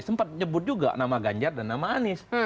sempat nyebut juga nama ganjar dan nama anies